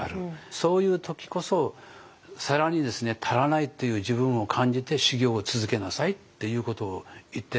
そういう時こそ更に足らないという自分を感じて修業を続けなさいっていうことを言ってる。